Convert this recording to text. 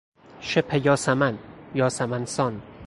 شبه یاسمن، یاسمن سان